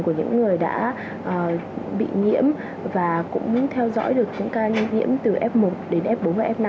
của những người đã bị nhiễm và cũng theo dõi được những ca nhiễm từ f một đến f bốn và f năm